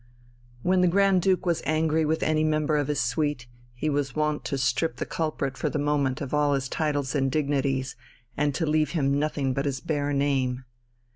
When the Grand Duke was angry with any member of his suite, he was wont to strip the culprit for the moment of all his titles and dignities, and to leave him nothing but his bare name.